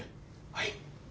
はい。